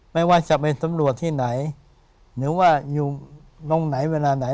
ไม่ว่าจะเป็นตำรวจที่ไหนหรือว่าอยู่ตรงไหนเวลาไหน